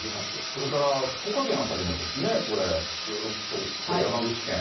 それから福岡県辺りもですね、これ、ずっと山口県。